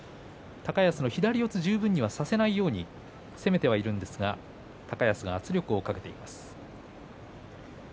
高安の左四つ十分にはさせないように攻めているんですが高安が圧力をかけています。